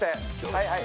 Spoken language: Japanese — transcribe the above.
はいはい。